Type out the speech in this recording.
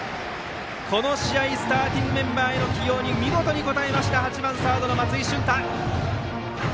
この試合スターティングメンバーの起用に見事に応えました８番サードの松井駿汰。